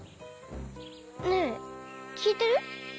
ねえきいてる？